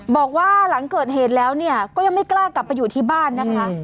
บอกว่าหลังเกิดเหตุแล้วเนี่ยก็ยังไม่กล้ากลับไปอยู่ที่บ้านนะคะ